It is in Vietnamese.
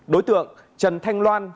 đối tượng trần thanh loan